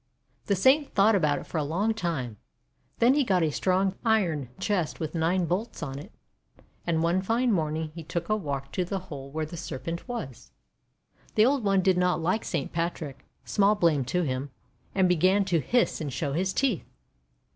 The Saint thought about it for a long time, then he got a strong iron chest with nine bolts on it. And one fine morning he took a walk to the hole where the Serpent was. The old one did not like Saint Patrick, small blame to him, and began to hiss and show his teeth.